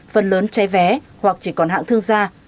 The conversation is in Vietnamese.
phần lớn cháy vé hoặc chỉ còn hạng thương gia